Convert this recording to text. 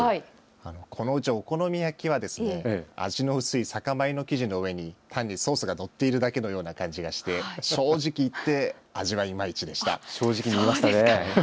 このうちお好み焼きは味の薄い酒米の生地の上に単にソースがのっているだけのような感じがして正直言って、味はいまいちでした。